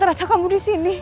ternyata kamu disini